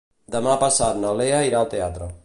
Demà passat na Lea irà al teatre.